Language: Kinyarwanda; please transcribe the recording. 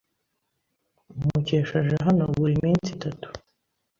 Mukesha aje hano buri minsi itatu.